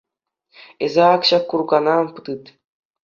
Эсӗ ак ҫак куркана тыт.